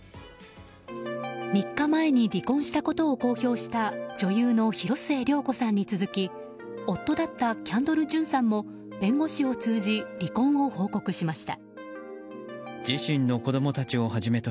３日前に離婚したことを公表した女優の広末涼子さんに続き夫だったキャンドル・ジュンさんも弁護士を通じ離婚を報告しました。